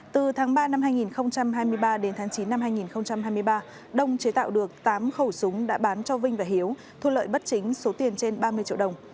từ tháng ba năm hai nghìn hai mươi ba đến tháng chín năm hai nghìn hai mươi ba đông chế tạo được tám khẩu súng đã bán cho vinh và hiếu thu lợi bất chính số tiền trên ba mươi triệu đồng